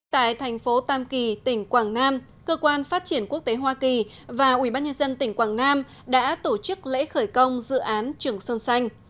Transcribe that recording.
tại thành phố tam kỳ tỉnh quảng nam cơ quan phát triển quốc tế hoa kỳ và ubnd tỉnh quảng nam đã tổ chức lễ khởi công dự án trường sơn xanh